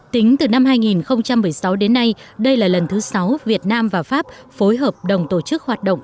tính từ năm hai nghìn một mươi sáu đến nay đây là lần thứ sáu việt nam và pháp phối hợp đồng tổ chức hoạt động